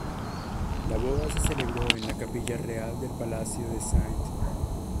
La boda se celebró en la Capilla Real del Palacio de St.